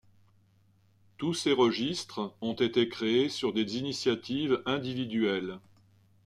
Tous ces registres ont été créés sur des initiatives individuelles.